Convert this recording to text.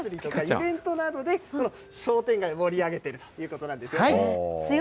イベントなどでこの商店街を盛り上げてるということなんですね。